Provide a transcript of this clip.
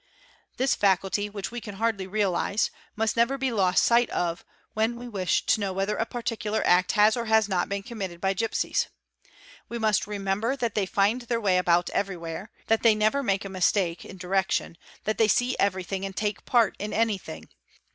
3 This faculty, which we can hardly realise, must never be lost sight when we wish to know whether a particular act has or has not been mmitted by gipsies; we must remember that they find their way a St ed x ubout everywhere, that they never make a mistake in direction, that they ee everything, and take part in anything.